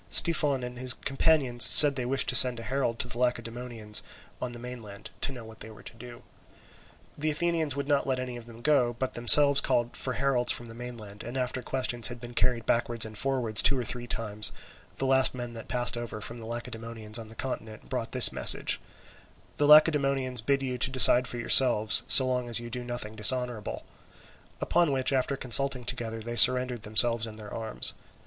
Styphon and his companions said they wished to send a herald to the Lacedaemonians on the mainland, to know what they were to do. The Athenians would not let any of them go, but themselves called for heralds from the mainland, and after questions had been carried backwards and forwards two or three times, the last man that passed over from the Lacedaemonians on the continent brought this message: "The Lacedaemonians bid you to decide for yourselves so long as you do nothing dishonourable"; upon which after consulting together they surrendered themselves and their arms.